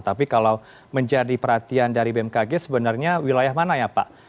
tapi kalau menjadi perhatian dari bmkg sebenarnya wilayah mana ya pak